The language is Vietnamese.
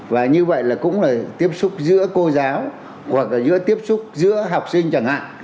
và như vậy là cũng là tiếp xúc giữa cô giáo hoặc là giữa tiếp xúc giữa học sinh chẳng hạn